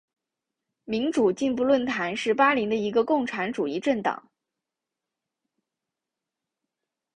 民主进步论坛是巴林的一个共产主义政党。